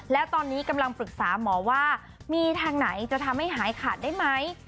แล้วตอนนี้กำลังปรึกษาหมอว่ามีทางไหนจะทำให้หายขาดได้ไหม